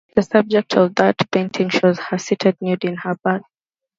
The subject of that painting shows her seated nude in her bath.